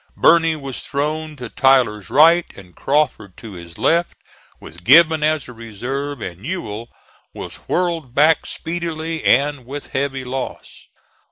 Birney was thrown to Tyler's right and Crawford to his left, with Gibbon as a reserve; and Ewell was whirled back speedily and with heavy loss.